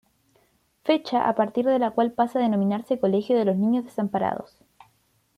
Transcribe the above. Fecha a partir de la cual pasa a denominarse "Colegio de los Niños Desamparados".